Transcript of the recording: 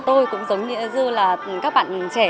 tôi cũng giống như như là các bạn trẻ